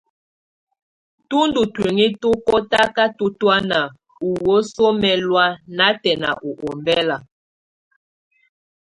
Tú ndù tuinyii tu kɔtakatɔ tɔ̀ána ú wesuǝ mɛlɔ̀á natɛna u ɔmbɛla.